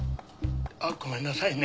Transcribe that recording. あごめんなさいね。